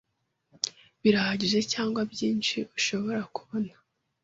Birahagije cyangwa Byinshi ushobora kubona